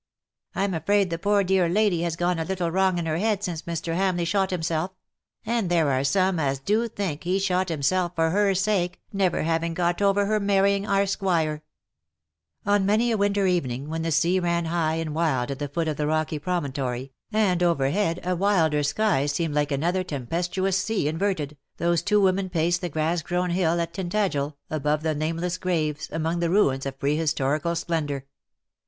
" Tm afraid the poor dear lady has gone a little wrong in her head since Mr. Hamleigh shot himself ; and there are some as do think he shot himself for her sake, never having got over her marrying our Squire/'' On many a winter evenings when the sea ran high and wild at the foot of the rocky promontory^ and overhead a wilder sky seemed like another tempes tuous sea inverted;, those two women paced the grass grown hill at Tintagel^ above the nameless graves^ among the ruins of prehistorical splendour.